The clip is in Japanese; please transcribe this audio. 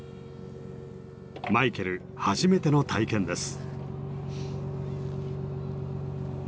マイケル初めての体験です。